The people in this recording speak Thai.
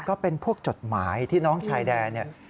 ก็เป็นพวกจดหมายที่น้องชายแดนเนี่ย